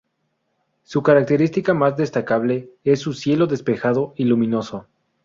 Su característica más destacable es su cielo despejado y luminoso.